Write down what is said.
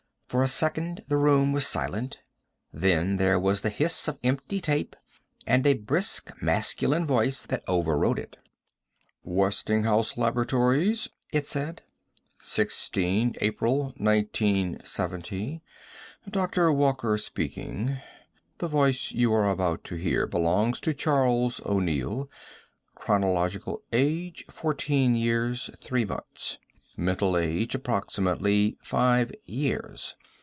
For a second the room was silent. Then there was the hiss of empty tape, and a brisk masculine voice that overrode it: "Westinghouse Laboratories," it said, "sixteen April nineteen seventy. Dr. Walker speaking. The voice you are about to hear belongs to Charles O'Neill: chronological age fourteen years, three months; mental age, approximately five years.